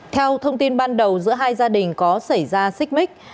theo thông tin ban đầu giữa hai gia đình có xảy ra xích mít